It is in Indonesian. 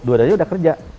dua dari udah kerja